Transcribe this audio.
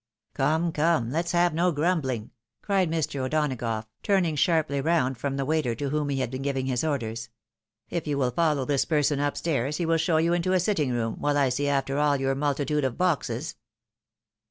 " Come, come, let's have no grumbling !" cried Mr. O'Donagough, turning sharply round from the waiter to whom he had been giving his orders. " If you will follow this person THE GLOEIES OF BRIGHTON. 89 up stairs, he Tvill show you into a sitting room, while I see after all your multitude of boxes."